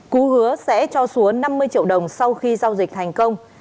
cú hứa sẽ cho xúa năm mươi triệu đồng sau khi giao dịch thành công